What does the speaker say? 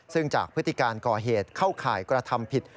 ซึ่งจากพฤติการก่อเหตุเข้าข่ายกระทำผิด